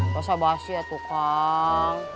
basah basi ya tukang